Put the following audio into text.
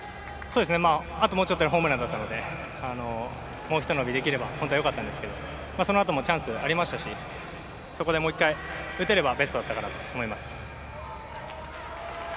あともうちょっとでホームランだったのでもうひと伸びできれば本当はよかったんですけど、そのあともチャンスがありましたし、そこでもう１回打てればベストだったかなとは思います。